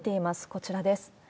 こちらです。